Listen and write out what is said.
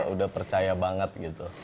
udah percaya banget gitu